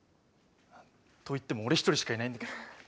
といっても俺一人しかいないんだけどね。